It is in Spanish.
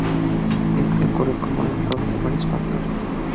Esto ocurrió como resultado de varios factores.